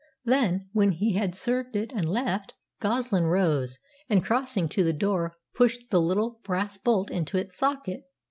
Then, when he had served it and left, Goslin rose, and, crossing to the door, pushed the little brass bolt into its socket.